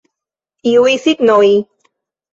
Iuj signoj?